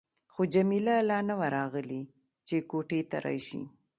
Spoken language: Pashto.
خو جميله لا نه وه راغلې چې کوټې ته راشي.